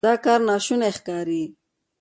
دا کار ناشونی ښکاري.